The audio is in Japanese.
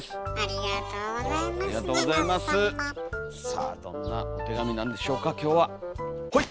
さあどんなお手紙なんでしょうか今日はほい！